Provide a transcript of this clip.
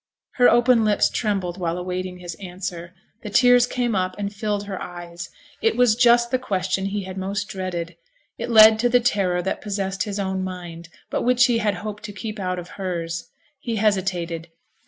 Her open lips trembled while awaiting his answer, the tears came up and filled her eyes. It was just the question he had most dreaded; it led to the terror that possessed his own mind, but which he had hoped to keep out of hers. He hesitated.